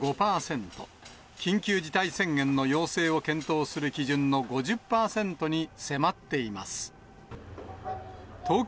緊急事態宣言の要請を検討する基準の５０％に迫っています。